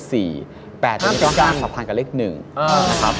๘ตัวนี้ต้องห้ามสัมพันธ์กับเลข๑